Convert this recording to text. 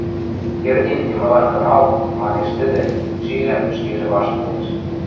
— Кердин, йымылан кымал, — манеш тӹдӹ, шижӓм, ӹшкежӹ ваштылеш.